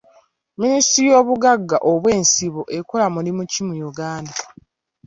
Minisitule y'obugagga obw'ensibo ekola mulimu ki mu Uganda?